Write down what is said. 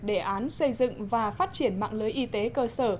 đề án xây dựng và phát triển mạng lưới y tế cơ sở